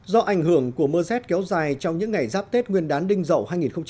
do ảnh hưởng của mưa rét kéo dài trong những ngày giáp tết nguyên đán đinh dậu hai nghìn một mươi bảy